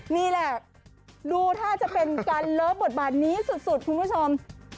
นี่แหละดูท่าจะเป็นการเลิฟบทบาทนี้สุดคุณผู้ชม